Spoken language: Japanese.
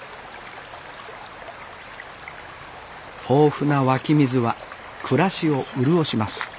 豊富な湧き水は暮らしを潤します